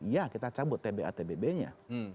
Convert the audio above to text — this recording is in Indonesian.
ya kita cabut tba tbb nya